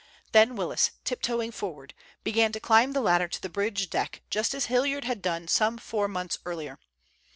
Then Willis, tiptoeing forward, began to climb the ladder to the bridge deck, just as Hilliard had done some four months earlier.